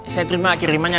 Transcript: saya terima kirimannya